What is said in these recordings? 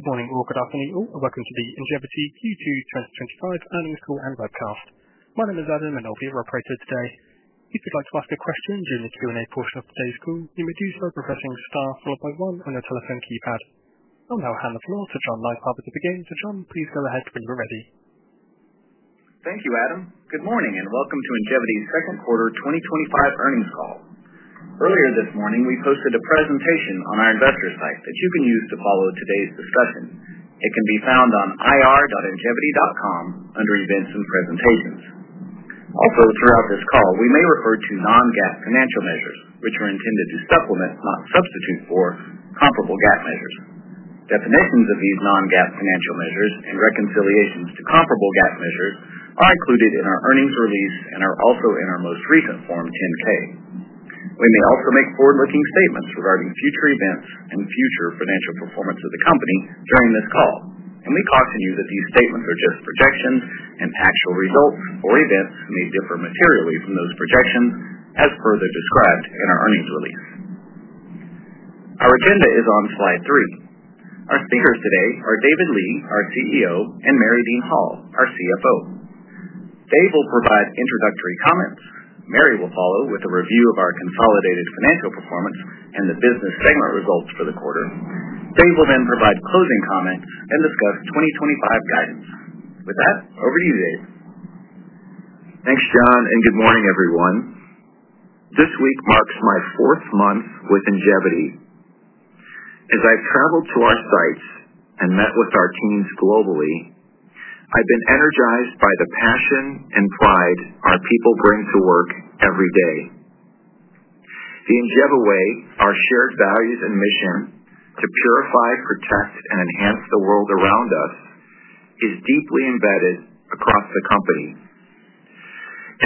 Good morning, all. Good afternoon, all, and welcome to the Ingevity Q2 2025 planning call and webcast. My name is Adam, and I'll be your operator today. If you'd like to ask a question during the Q&A portion of today's call, you can do so at the requesting staff, one by one, on their telephone keypad. I'll now hand the floor to John Nypaver to begin. John, please go ahead and be ready. Thank you, Adam. Good morning, and welcome to Ingevity's second quarter 2025 earnings call. Earlier this morning, we posted a presentation on our investor site that you can use to follow today's discussion. It can be found on ir.ingevity.com under Events and Presentations. Also, throughout this call, we may refer to non-GAAP financial measures, which are intended to supplement, not substitute for, comparable GAAP measures. Definitions of these non-GAAP financial measures and reconciliations to comparable GAAP measures are included in our earnings release and are also in our most recent Form 10-K. We may also make forward-looking statements regarding future events and future financial performance of the company during this call. We caution you that these statements are just projections and actual results or events may differ materially from those projections, as further described in our earnings release. Our agenda is on slide three. Our speakers today are David Li, our CEO, and Mary Hall, our CFO. Dave will provide introductory comments. Mary will follow with a review of our consolidated financial performance and the business framework results for the quarter. Dave will then provide closing comments and discuss 2025 guidance. With that, over to you, Dave. Thanks, John, and good morning, everyone. This week marks my fourth month with Ingevity. As I've traveled to our sites and met with our teams globally, I've been energized by the passion and pride our people bring to work every day. The IngeviWay, our shared values and mission to purify, protect, and enhance the world around us is deeply embedded across the company.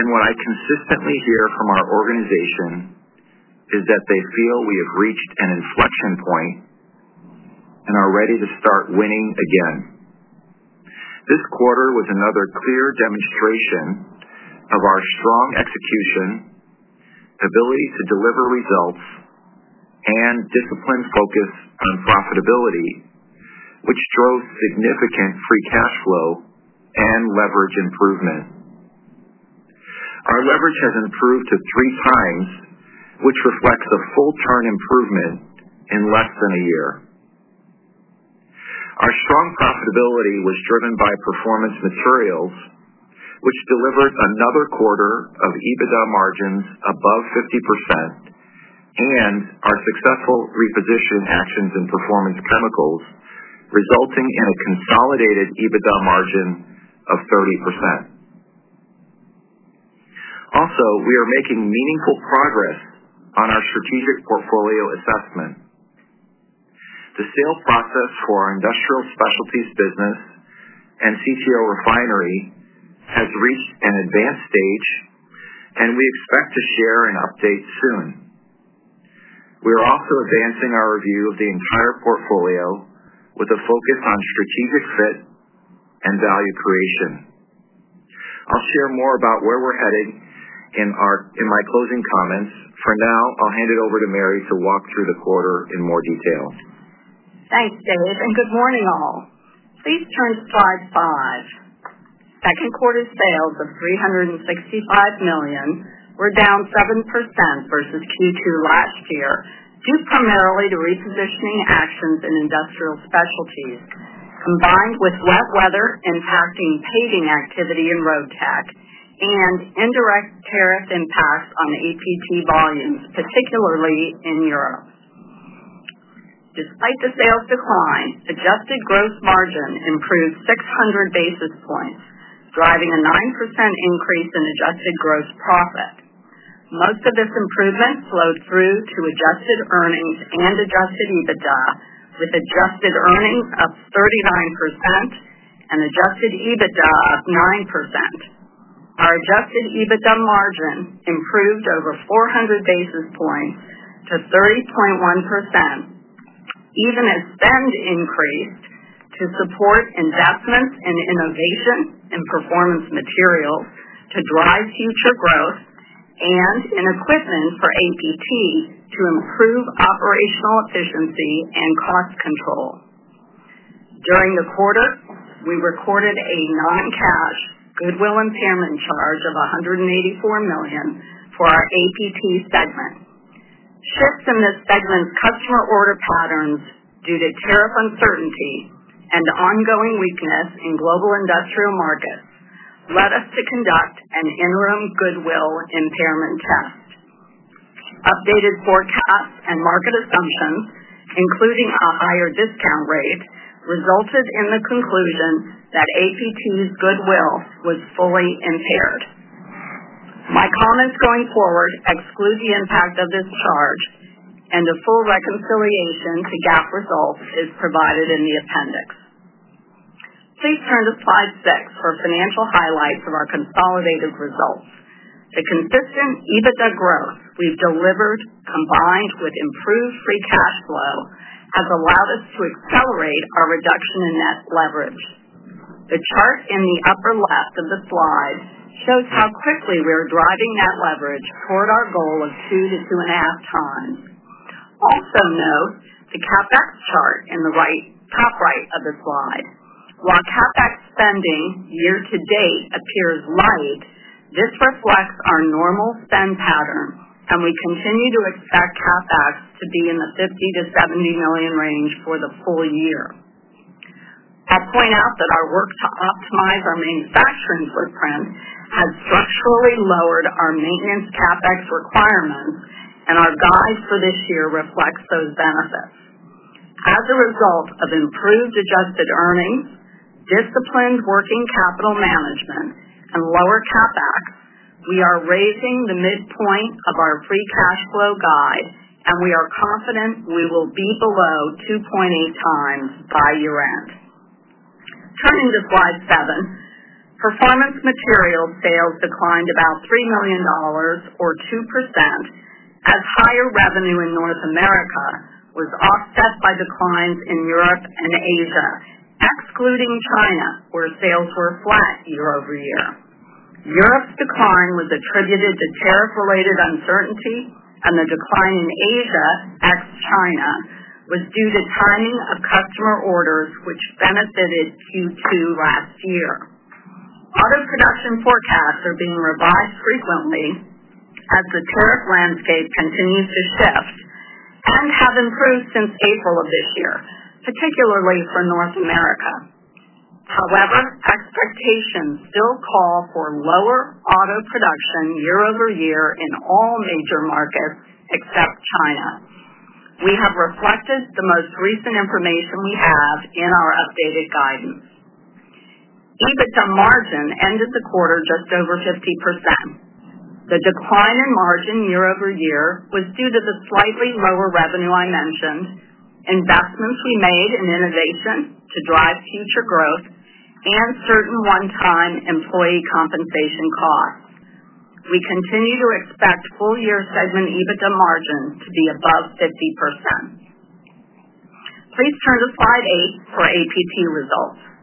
What I consistently hear from our organization is that they feel we have reached an inflection point and are ready to start winning again. This quarter was another clear demonstration of our strong execution, ability to deliver results, and disciplined focus on profitability, which drove significant free cash flow and leverage improvement. Our leverage has improved to 3x, which reflects a full-term improvement in less than a year. Our strong profitability was driven by Performance Materials, which delivered another quarter of EBITDA margins above 50%, and our successful repositioning actions in Performance Chemicals, resulting in a consolidated EBITDA margin of 30%. We are making meaningful progress on our strategic portfolio assessment. The sales process for our Industrial Specialties business and CTO refinery has reached an advanced stage, and we expect to share an update soon. We are also advancing our review of the entire portfolio with a focus on strategic fit and value creation. I'll share more about where we're heading in my closing comments. For now, I'll hand it over to Mary to walk through the quarter in more details. Thanks, David, and good morning, all. Please turn to slide five. Second quarter sales of $365 million were down 7% versus Q2 last year, due primarily to repositioning actions in Industrial Specialties, combined with wet weather impacting paving activity in Road Tech and indirect tariff impacts on APT volumes, particularly in Europe. Despite the sales decline, adjusted gross margin improved 600 basis points, driving a 9% increase in adjusted gross profit. Most of this improvement flowed through to adjusted earnings and adjusted EBITDA, with adjusted earnings up 39% and adjusted EBITDA up 9%. Our adjusted EBITDA margin improved over 400 basis points to 30.1%, even as spend increased to support investments in innovation and Performance Materials to drive future growth and in equipment for APT to improve operational efficiency and cost control. During the quarter, we recorded a non-cash goodwill impairment charge of $184 million for our APT segment. Fits in this segment's customer order patterns due to tariff uncertainty and ongoing weakness in global industrial markets led us to conduct an interim goodwill impairment test. Updated forecasts and market assumptions, including a higher discount rate, resulted in the conclusion that APT's goodwill was fully impaired. My comments going forward exclude the impact of this charge, and a full reconciliation to GAAP results is provided in the appendix. Please turn to slide six for financial highlights of our consolidated results. The consistent EBITDA growth we've delivered, combined with improved free cash flow, has allowed us to accelerate our reduction in net leverage. The chart in the upper left of the slide shows how quickly we are driving net leverage toward our goal of two to two and a half times. Also, note the CapEx chart in the top right of the slide. While CapEx spending year to date appears low, this reflects our normal spend pattern, and we continue to expect CapEx to be in the $50 million - $70 million range for the full year. I point out that our work to optimize our manufacturing footprint has structurally lowered our maintenance CapEx requirements, and our guide for this year reflects those benefits. As a result of improved adjusted earnings, disciplined working capital management, and lower CapEx, we are raising the midpoint of our free cash flow guide, and we are confident we will be below 2.8x by year-end. Turning to slide seven, Performance Materials sales declined about $3 million or 2%, as higher revenue in North America was offset by declines in Europe and Asia, excluding China, where sales were flat year- over-year. Europe's decline was attributed to tariff-related uncertainty, and the decline in Asia ex-China was due to timing of customer orders, which benefited Q2 last year. Auto-production forecasts are being revised frequently as the current landscape continues to shift and have improved since April of this year, particularly for North America. However, expectations still call for lower auto-production year-over-year in all major markets except China. We have reflected the most recent information we have in our updated guidance. EBITDA margin ended the quarter just over 50%. The decline in margin year-over-year was due to the slightly lower revenue I mentioned, investments we made in innovation to drive future growth, and certain one-time employee compensation costs. We continue to expect full-year segment EBITDA margin to be above 50%. Please turn to slide eight for APT results.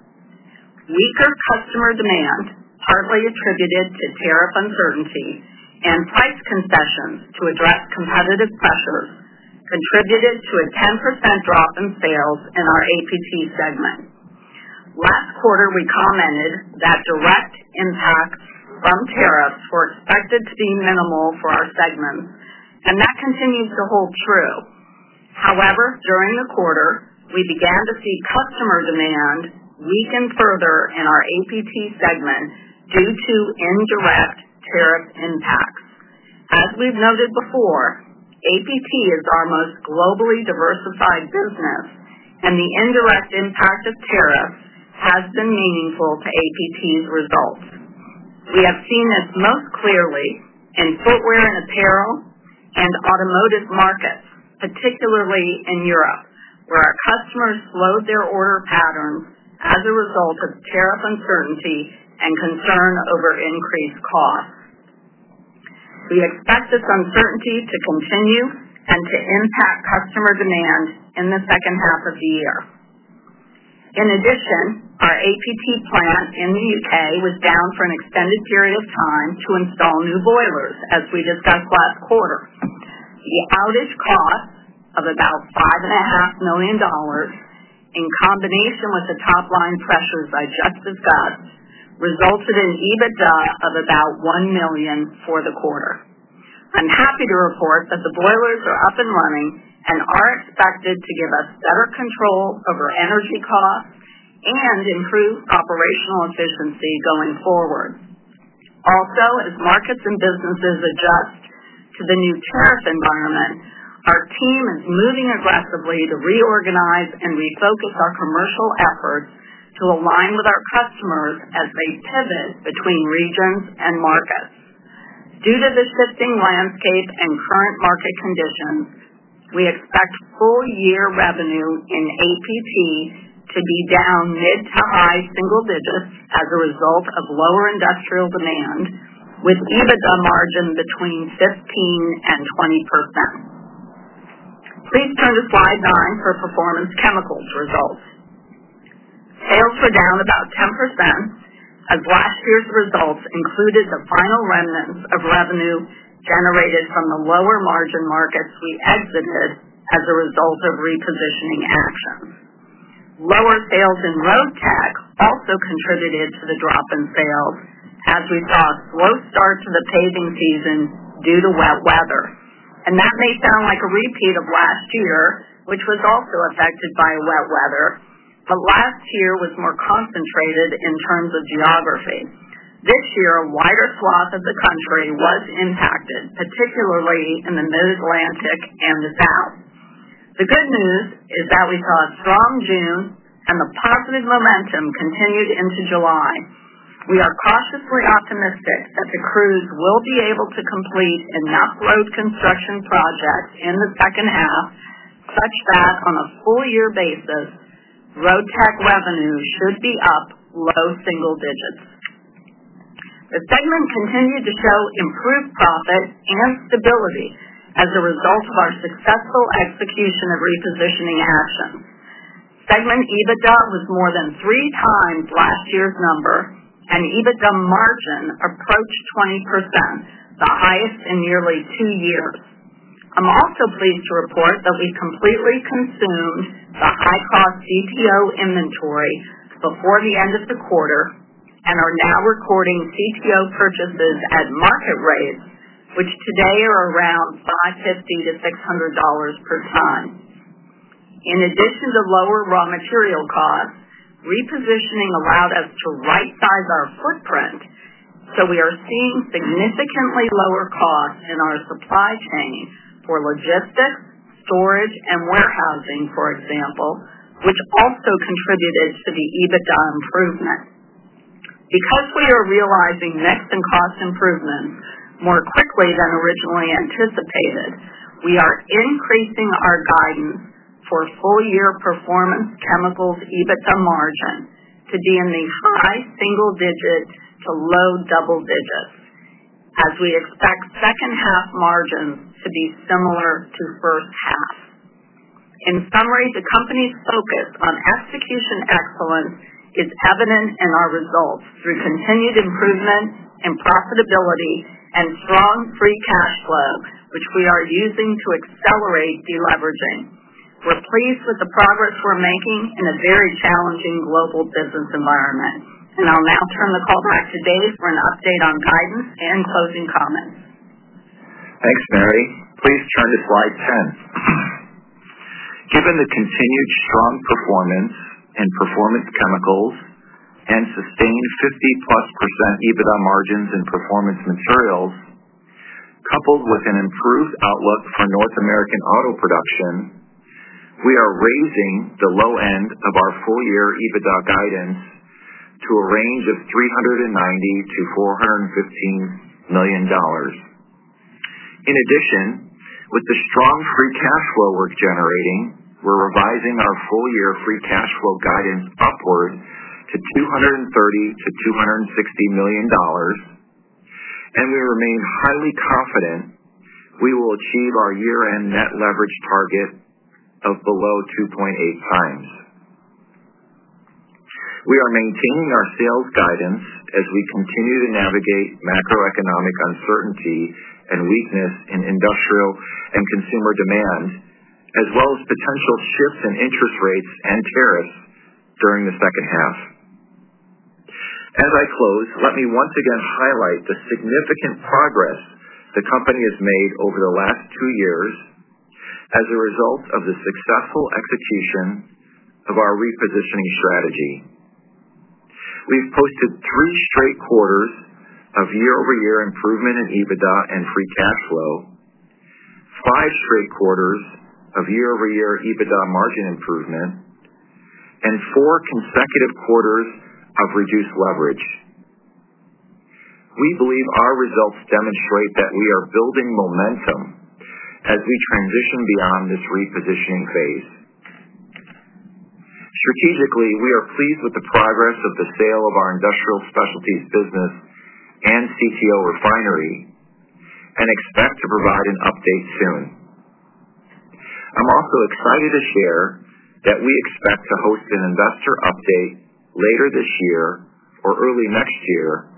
Weaker customer demand partly attributed to tariff uncertainty and price concessions to address competitive pressures contributed to a 10% drop in sales in our APT segment. Last quarter, we commented that direct impact from tariffs were expected to be minimal for our segment, and that continues to hold true. However, during the quarter, we began to see customer demand weaken further in our APT segment due to indirect tariff impacts. As we've noted before, APT is our most globally diversified business, and the indirect impact of tariffs has been meaningful to APT results. We have seen this most clearly in footwear and apparel and automotive markets, particularly in Europe, where our customers slowed their order patterns as a result of tariff uncertainty and concern over increased costs. We expect this uncertainty to continue and to impact customer demand in the second half of the year. In addition, our APT plant in the U.K. was down for an extended period of time to install new boilers, as we discussed last quarter. The outage cost about $5.5 million, in combination with the top line pressures I just discussed, resulted in EBITDA of about $1 million for the quarter. I'm happy to report that the boilers are up and running and are expected to give us better control over energy costs and improve operational efficiency going forward. Also, as markets and businesses adjust to the new tariff environment, our team is moving aggressively to reorganize and refocus our commercial efforts to align with our customers as they pivot between regions and markets. Due to the shifting landscape and current market conditions, we expect full-year revenue in APT to be down mid to high single digits as a result of lower industrial demand, with EBITDA margin between 15% and 20%. Please turn to slide nine for Performance Chemicals results. Sales were down about 10% as last year's results included the final remnants of revenue generated from the lower margin markets we exited as a result of repositioning actions. Lower sales in Road Tech also contributed to the drop in sales as we saw slow starts of the paving season due to wet weather. That may sound like a repeat of last year, which was also affected by wet weather, but last year was more concentrated in terms of geography. This year, a wider swath of the country was impacted, particularly in the Mid-Atlantic and the South. The good news is that we saw a strong boom and the positive momentum continued into July. We are cautiously optimistic that the crews will be able to complete enough road construction projects in the second half, such that on a full-year basis, Road Tech revenue should be up low single digits. The segment continued to show improved profits and stability as a result of our successful execution of repositioning actions. Segment EBITDA was more than three times last year's number, and EBITDA margin approached 20%, the highest in nearly two years. I'm also pleased to report that we completely consumed the high-cost CTO inventory before the end of the quarter and are now recording TPO purchases at market rates, which today are around $550 - $600 per ton. In addition to lower raw material costs, repositioning allowed us to right-size our footprint, so we are seeing significantly lower costs in our supply chains for logistics, storage, and warehousing, for example, which also contributed to the EBITDA improvement. Because we are realizing next-in-class improvements more quickly than originally anticipated, we are increasing our guidance for full-year Performance Chemicals EBITDA margin to be in the high single digit to low double digits, as we expect second half margins to be similar to first half. In summary, the company's focus on execution excellence is evident in our results through continued improvement in profitability and strong free cash flow, which we are using to accelerate deleveraging. We are pleased with the progress we are making in a very challenging global business environment. I will now turn the floor back to Dave for an update on guidance and closing comments. Thanks, Mary. Please turn to slide 10. Given the continued strong performance in Performance Chemicals and sustained 50+% EBITDA margins in Performance Materials, coupled with an improved outlook for North American auto production, we are raising the low end of our full-year EBITDA guidance to a range of $390 million - $415 million. In addition, with the strong free cash flow we're generating, we're revising our full-year free cash flow guidance upward to $230 million - $260 million, and we remain highly confident we will achieve our year-end net leverage target of below 2.8x. We are maintaining our sales guidance as we continue to navigate macroeconomic uncertainty and weakness in industrial and consumer demands, as well as potential shifts in interest rates and tariffs during the second half. As I close, let me once again highlight the significant progress the company has made over the last two years as a result of the successful execution of our repositioning strategy. We've posted three straight quarters of year-over-year improvement in EBITDA and free cash flow, five straight quarters of year-over-year EBITDA margin improvement, and four consecutive quarters of reduced leverage. We believe our results demonstrate that we are building momentum as we transition beyond this repositioning phase. Strategically, we are pleased with the progress of the sale of our Industrial Specialties business and CTO refinery and expect to provide an update soon. I'm also excited to share that we expect to host an investor update later this year or early next year,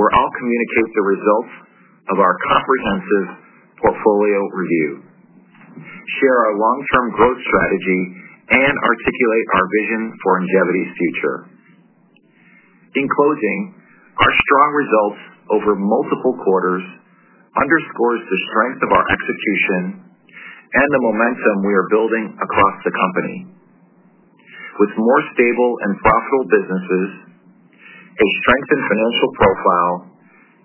where I'll communicate the results of our comprehensive portfolio review, share our long-term growth strategy, and articulate our vision for Ingevity's future. In closing, our strong results over multiple quarters underscore the strength of our execution and the momentum we are building across the company. With more stable and profitable businesses, a strengthened financial profile,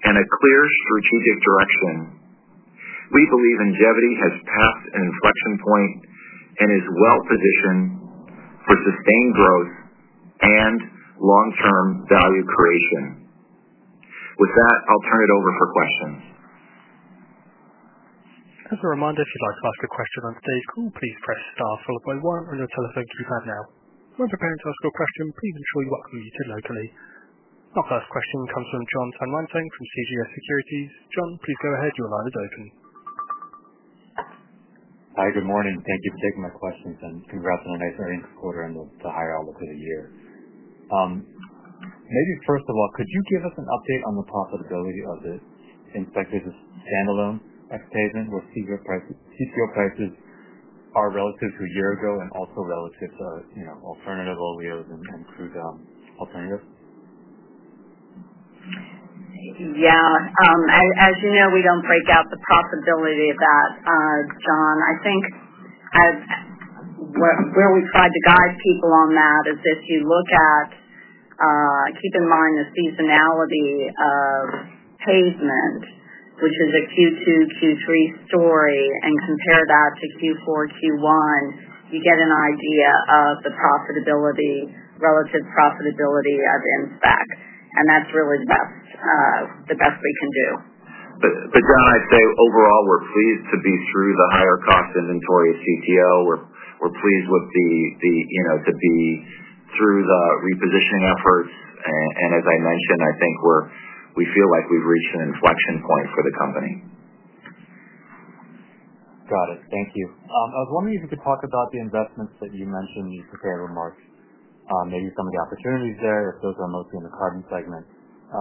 and a clear strategic direction, we believe Ingevity has passed an inflection point and is well-positioned for sustained growth and long-term value creation. With that, I'll turn it over for questions. Okay, reminder if you'd like to ask a question on stage four, please press star, followed by one, on your telephone keypad now. If you want to prepare to ask your question, please ensure you upload it locally. Our first question comes from Jon Tanwanteng from CJS Securities. Jon, please go ahead. Your line is open. Hi, good morning. Thank you for taking my questions, and congrats on a nice earnings quarter and the higher outlook for the year. Maybe first of all, could you give us an update on the possibility of this, especially the standalone excavation where CTO prices are relative to a year ago and also relative to, you know, alternative oleo and crude alternatives? Yeah. As you know, we don't break out the possibility of that, John. I think where we've tried to guide people on that is if you look at, keep in mind the seasonality of Hangman, which is a Q2, Q3 story, and compare that to Q4, Q1, you get an idea of the profitability, relative profitability of Inspect. That's really the best we can do. John, I'd say overall we're pleased to be through the higher cost inventory of CTO. We're pleased to be through the repositioning efforts, and as I mentioned, I think we feel like we've reached an inflection point for the company. Got it. Thank you. I was wondering if you could talk about the investments that you mentioned in these prepared remarks, maybe some of the opportunities there, if those are mostly in the carbon segment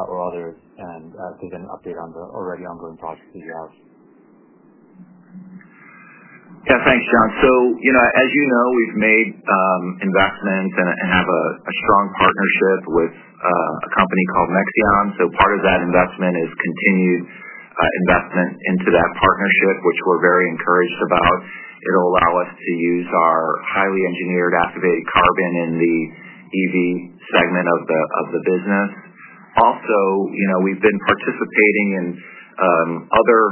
or others, and if you can update on the already ongoing projects that you have. Yeah, thanks, John. As you know, we've made investments and have a strong partnership with a company called Nexeon. Part of that investment is continued investment into that partnership, which we're very encouraged about. It'll allow us to use our highly engineered activated carbon in the EV segment of the business. Also, we've been participating in other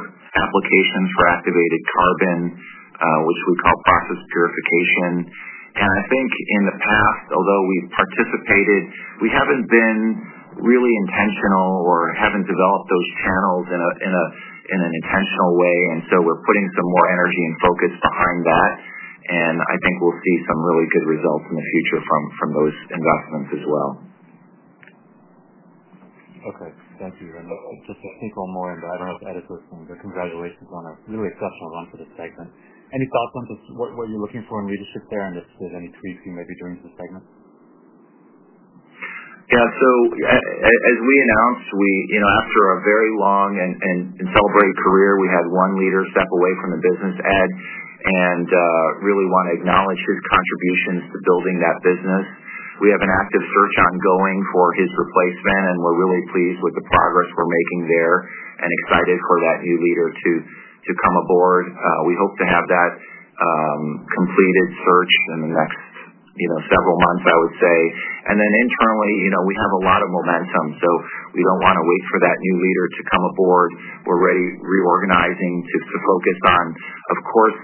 applications for activated carbon, which we call process purification. I think in the past, although we've participated, we haven't been really intentional or haven't developed those channels in an intentional way. We're putting some more energy and focus behind that, and I think we'll see some really good results in the future from those investments as well. Okay. Thank you. Just a single more input. I don't know if Ed is with us, but congratulations on a really exceptional run for the segment. Any thoughts on what you're looking for in leadership there, and if there's any tweaks you may be doing to the segment? As we announced, after a very long and celebrated career, we had one leader step away from the business, Ed, and really want to acknowledge his contributions to building that business. We have an active search ongoing for his replacement, and we're really pleased with the progress we're making there and excited for that new leader to come aboard. We hope to have that completed search in the next several months, I would say. Internally, we have a lot of momentum, so we don't want to wait for that new leader to come aboard. We're really reorganizing to focus on, of course,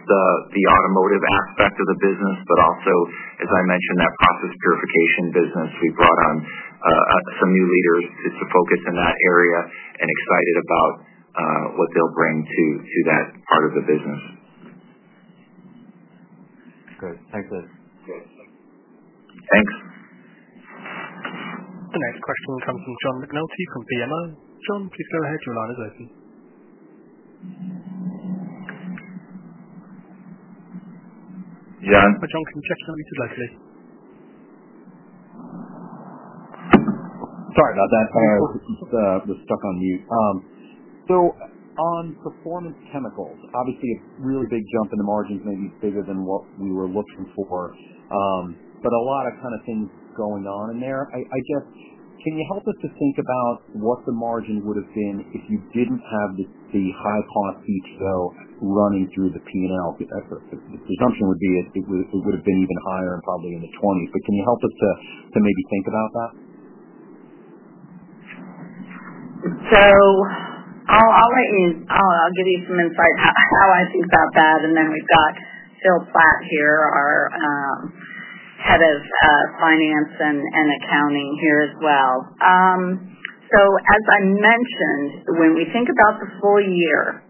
the automotive aspect of the business, but also, as I mentioned, that process purification business. We brought on some new leaders to focus in that area and excited about what they'll bring to that part of the business. Good. Thanks, Ed. Thanks. The next question comes from John McNulty from BMO. John, please go ahead. Your line is open. Yeah. John, can you just tell me too? Sorry about that. I was stuck on mute. On Performance Chemicals, obviously a really big jump in the margin is maybe bigger than what we were looking for. A lot of kind of things going on in there. I guess, can you help us to think about what the margin would have been if you didn't have the high-cost CTO running through the P&L? The assumption would be it would have been even higher and probably in the 20s. Can you help us to maybe think about that? I'll give you some insight. I'll let you stop that. We've got Phil Platt here, our Head of Finance and Accounting here as well. As I mentioned, when we think about the full year,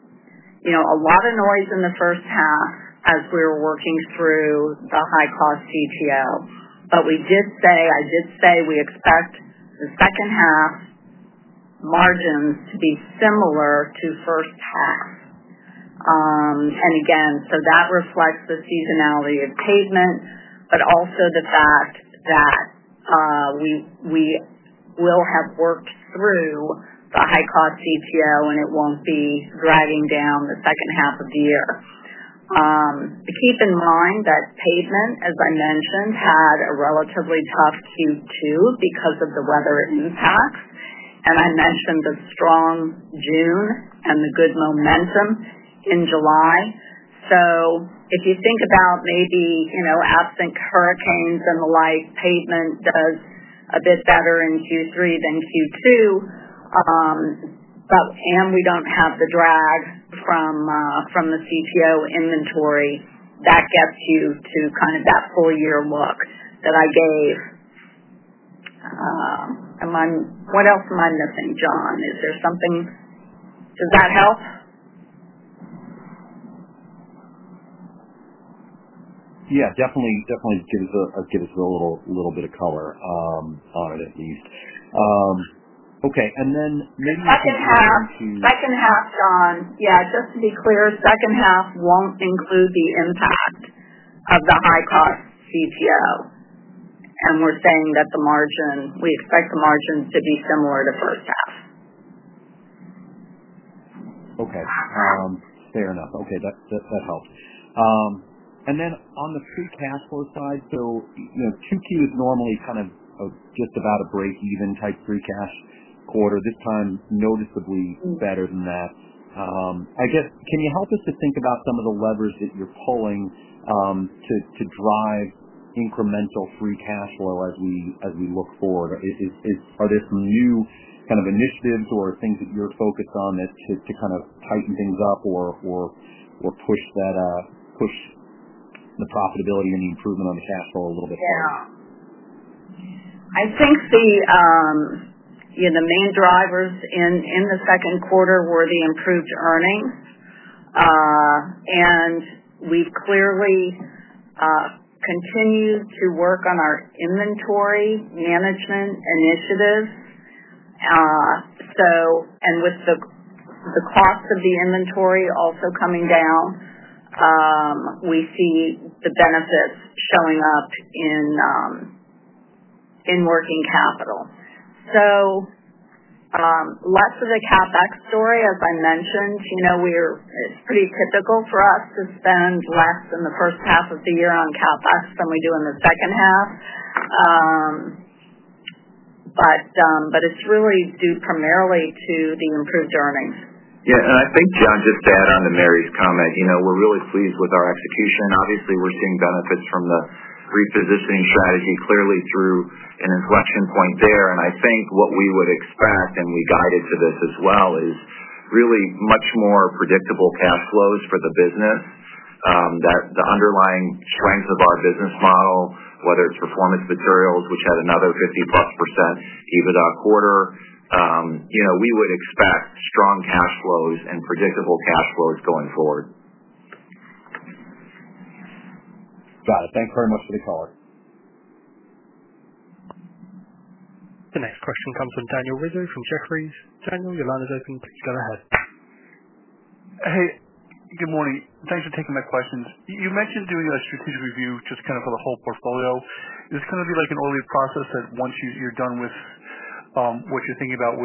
there's a lot of noise in the first half as we were working through the high-cost CTO. I did say we expect the second half margins to be similar to the first half. That reflects the seasonality of pavement, but also the fact that we will have worked through the high-cost CTO and it won't be dragging down the second half of the year. Keep in mind that pavement, as I mentioned, had a relatively tough Q2 because of the weather impact. I mentioned the strong June and the good momentum in July. If you think about maybe, absent hurricanes and the like, pavement does a bit better in Q3 than Q2. We don't have the drag from the CTO inventory that gets you to that full-year look that I gave. What else am I missing, John? Does that help? Yeah, definitely gives us a little bit of color on it at least. Okay, and then maybe we. Second half, second half, John, just to be clear, second half won't include the impact of the high-cost CTO. We're saying that the margin, we expect the margins to be similar to first half. Okay, fair enough. That all helps. On the free cash flow side, Q2 is normally kind of just about a break-even type free cash quarter. This time, noticeably better than that. I guess, can you help us to think about some of the levers that you're pulling to drive incremental free cash flow as we look forward? Are there some new kind of initiatives or things that you're focused on to kind of tighten things up or push that, push the profitability and the improvement on the cash flow a little bit more? Yeah. I think the main drivers in the second quarter were the improved earnings. We've clearly continued to work on our inventory management initiatives, and with the cost of the inventory also coming down, we see the benefits showing up in working capital. Lots of the CapEx story, as I mentioned, it's pretty typical for us to spend less in the first half of the year on CapEx than we do in the second half, but it's really due primarily to the improved earnings. Yeah. I think, John, just to add on to Mary's comment, we're really pleased with our execution. Obviously, we're seeing benefits from the repositioning strategy, clearly through an inflection point there. I think what we would expect, and we guided to this as well, is really much more predictable cash flows for the business. The underlying strength of our business model, whether it's Performance Materials, which had another 50+% EBITDA quarter, we would expect strong cash flows and predictable cash flows going forward. Got it. Thanks very much for the call. The next question comes from Daniel Rizzo from Jefferies. Daniel, your line is open. Go ahead. Hey, good morning. Thanks for taking my questions. You mentioned doing a strategic review just for the whole portfolio. Is this going to be like an early process that once you're done with what you're thinking about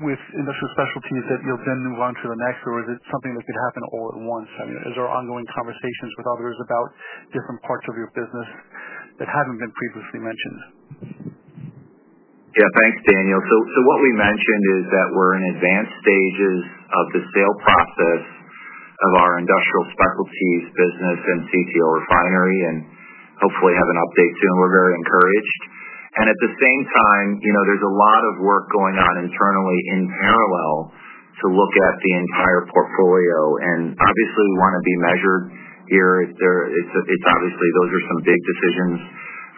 with Industrial Specialties that you'll then move on to the next, or is it something that could happen all at once? I mean, is there ongoing conversations with others about different parts of your business that haven't been previously mentioned? Yeah, thanks, Daniel. What we mentioned is that we're in advanced stages of the sale process of our Industrial Specialties business and CTO refinery, and hopefully have an update soon. We're very encouraged. At the same time, there's a lot of work going on internally in parallel to look at the entire portfolio. Obviously, we want to be measured here. Those are some big decisions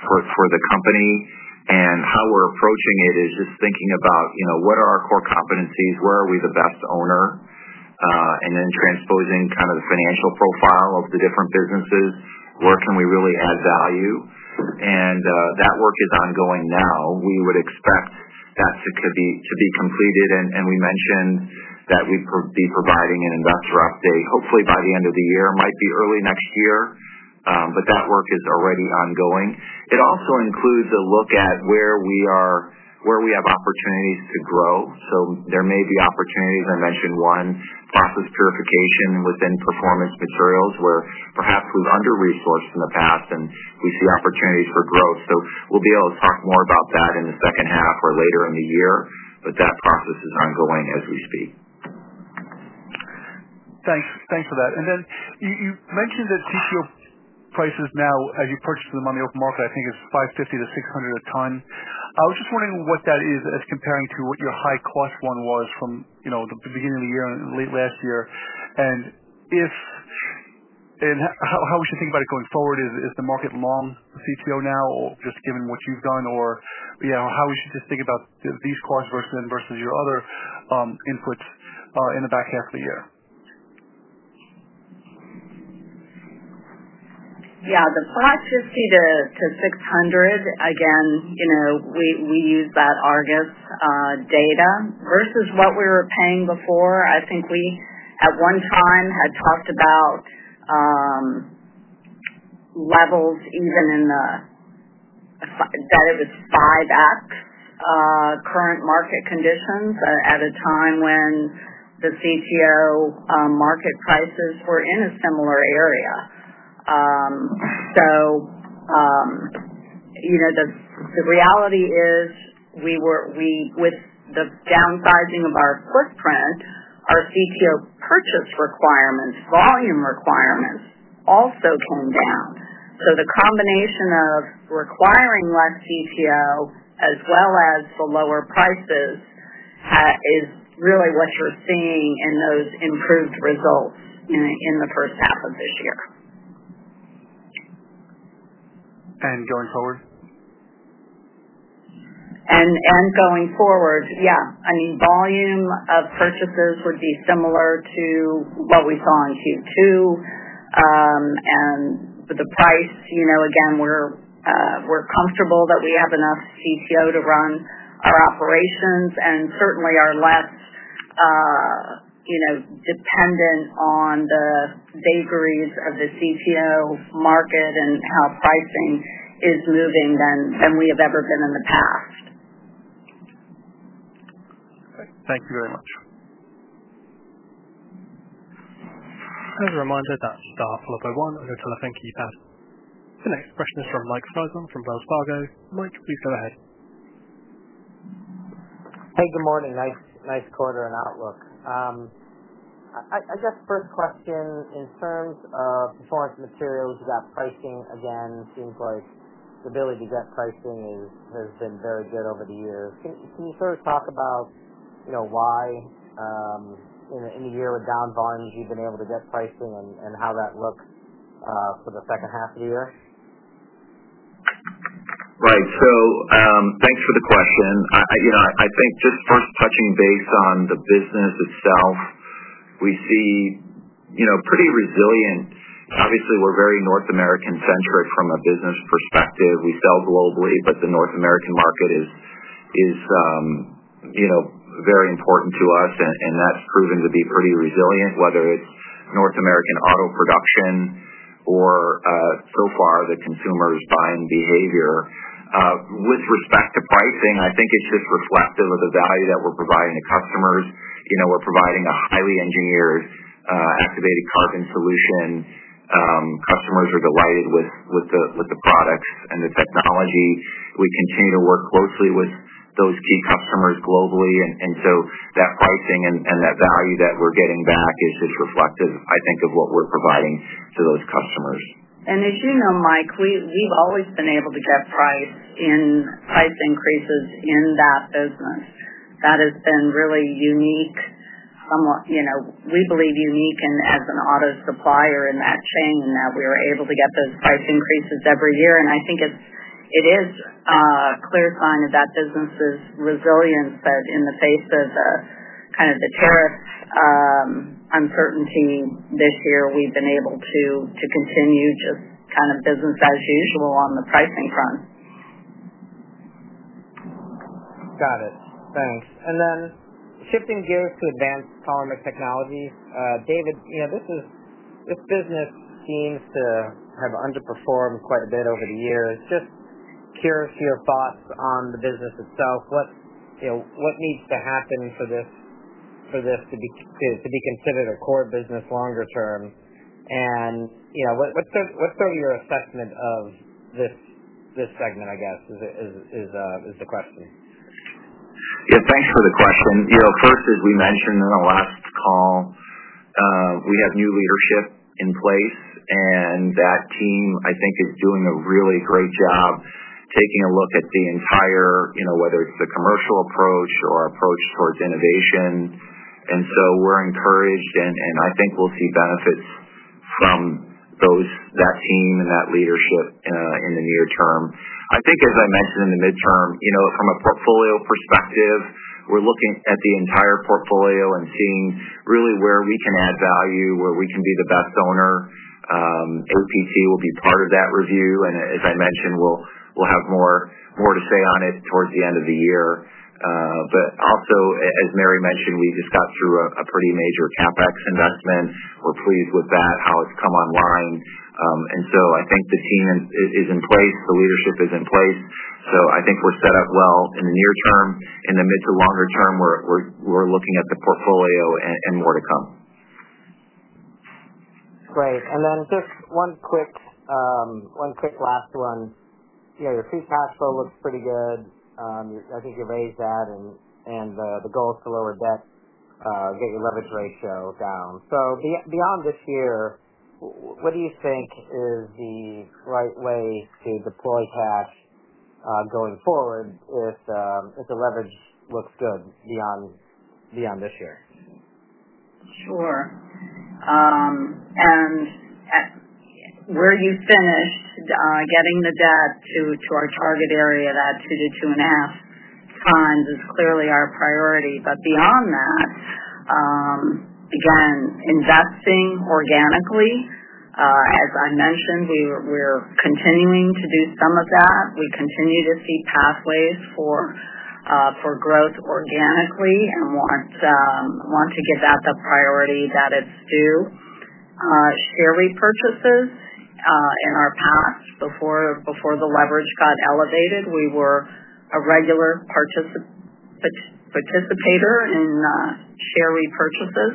for the company. How we're approaching it is just thinking about what are our core competencies, where are we the best owner, and then transposing kind of the financial profile of the different businesses. Where can we really add value? That work is ongoing now. We would expect that to be completed. We mentioned that we'd be providing an investor update, hopefully by the end of the year. It might be early next year, but that work is already ongoing. It also includes a look at where we are, where we have opportunities to grow. There may be opportunities. I mentioned one, process purification and within Performance Materials where perhaps we've under-resourced in the past and we see opportunities for growth. We'll be able to talk more about that in the second half or later in the year, but that process is ongoing as we speak. Thanks for that. You mentioned that CTO prices now, as you purchased them on the open market, I think it's $550 - $600 a ton. I was just wondering what that is as compared to what your high-cost one was from the beginning of the year and late last year. How would you think about it going forward? Is the market long for CTO now, or just given what you've done, how would you think about these costs versus your other inputs in the back half of the year? Yeah, the flat $550 - $600, again, you know, we use that Argus data versus what we were paying before. I think we at one time had talked about levels even in that it was five at current market conditions or at a time when the CTO market prices were in a similar area. You know, the reality is, with the downsizing of our footprint, our CTO purchase requirements, volume requirements also came down. The combination of requiring less CTO as well as for lower prices is really what you're seeing in those improved results in the first half of the year. Going forward? Going forward, volume of purchases would be similar to what we saw in Q2. For the price, we're comfortable that we have enough CTO to run our operations and certainly are less dependent on the vagaries of the CTO market and how pricing is moving than we have ever been in the past. Thank you very much. Those are my data that are followed by one on your telephone keypad. The next question is from Mike Sison from Wells Fargo. Mike, please go ahead. Hey, good morning. Nice quarter and outlook. I guess first question in terms of Performance Materials, is that pricing again seems like the ability to get pricing has been very good over the years. Can you sort of talk about why, in a year with down volumes, you've been able to get pricing and how that looks for the second half of the year? Right. Thanks for the question. I think just first touching base on the business itself, we see pretty resilient. Obviously, we're very North American-centric from a business perspective. We sell globally, but the North American market is very important to us. That's proven to be pretty resilient, whether it's North American auto production or, so far, the consumer buying behavior. With respect to pricing, I think it's just reflective of the value that we're providing to customers. We're providing a highly engineered, activated carbon solution. Customers are delighted with the products and the technology. We continue to work closely with those key customers globally. That pricing and that value that we're getting back is just reflective, I think, of what we're providing to those customers. As you know, Mike, we've always been able to get price increases in that business. That has been really unique. We believe unique as an auto supplier in that chain that we were able to get those price increases every year. I think it is a clear sign of that business's resilience that in the face of the tariff uncertainty this year, we've been able to continue just kind of business as usual on the pricing front. Got it. Thanks. Shifting gears to Advanced Polymer Technologies, David, this business seems to have underperformed quite a bit over the years. Just curious for your thoughts on the business itself. What needs to happen for this to be considered a core business longer term? What's your assessment of this segment, I guess, is the question? Yeah, thanks for the question. As we mentioned in the last call, we have new leadership in place, and that team is doing a really great job taking a look at the entire, whether it's the commercial approach or approach towards innovation. We're encouraged, and I think we'll see benefits from that team and that leadership in the near term. As I mentioned, in the midterm, from a portfolio perspective, we're looking at the entire portfolio and seeing really where we can add value, where we can be the best owner. APT will be part of that review. As I mentioned, we'll have more to say on it towards the end of the year. Also, as Mary Hall mentioned, we just got through a pretty major CapEx investment. We're pleased with how it's come online, and I think the team is in place. The leadership is in place. I think we're set up well in the near term. In the mid to longer term, we're looking at the portfolio and more to come. Great. Just one quick last one. Your free cash flow looks pretty good. I think you've raised that, and the goal is to lower debt, get your leverage ratio down. Beyond this year, what do you think is the right way to deploy cash going forward if the leverage looks good beyond this year? Sure. Getting the debt to our target area at two to two and a half times is clearly our priority. Beyond that, again, investing organically, as I mentioned, we're continuing to do some of that. We continue to see pathways for growth organically and want to give that the priority that it's due. Share repurchases, in our past, before the leverage got elevated, we were a regular participator in share repurchases.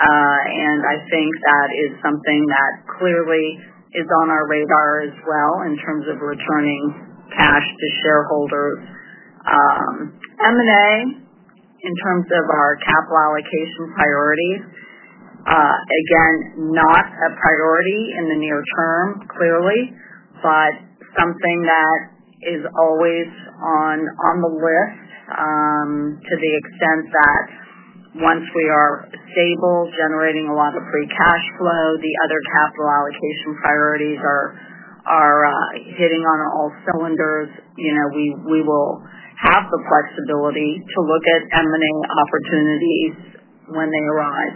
I think that is something that clearly is on our radar as well in terms of returning cash to shareholders. M&A, in terms of our capital allocation priorities, again, not a priority in the near term, clearly, but something that is always on the list to the extent that once we are stable, generating a lot of free cash flow, the other capital allocation priorities are hitting on all cylinders. We will have the flexibility to look at M&A opportunities when they arise.